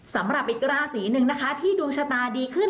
สำหรับอีกราศีหนึ่งนะคะที่ดวงชะตาดีขึ้น